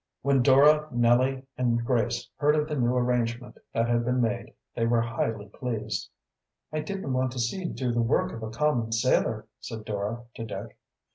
When Dora, Nellie, and Grace heard of the new arrangement that had been made they were highly pleased. "I didn't want to see you do the work of a common sailor," said Dora to Dick.